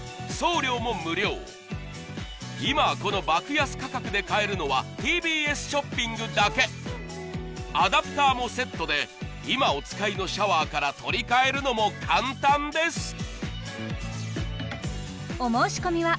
今この爆安価格で買えるのはＴＢＳショッピングだけアダプターもセットで今お使いのシャワーから取り換えるのも簡単です